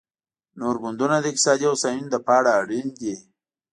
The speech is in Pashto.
نور ګوندونه د اقتصادي هوساینې لپاره اړین دي